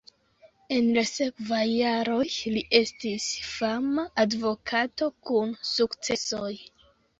En la sekvaj jaroj li estis fama advokato kun sukcesoj.